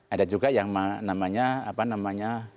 ada juga yang namanya apa namanya